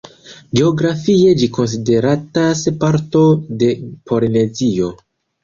Geografie ĝi konsideratas parto de Polinezio.